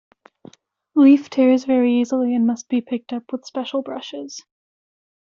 Leaf tears very easily and must be picked up with special brushes.